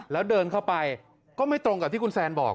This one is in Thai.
แล้วเดินเข้าไปก็ไม่ตรงกับที่คุณแซนบอก